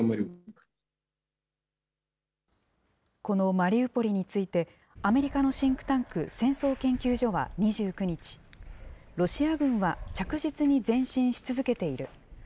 このマリウポリについて、アメリカのシンクタンク、戦争研究所は２９日、ロシア軍は着実に前進し続けている。